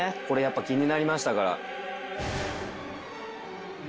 これやっぱ気になりましたから。